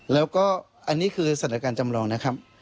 แล้วก็อันนี้คือสถานการณ์จำลองนะครับ